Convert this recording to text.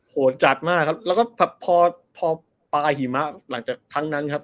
โหดจัดมากครับแล้วก็พอพอปลาหิมะหลังจากครั้งนั้นครับ